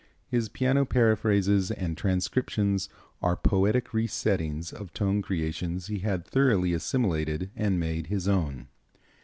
His piano paraphrases and transcriptions are poetic re settings of tone creations he had thoroughly assimilated and made his own.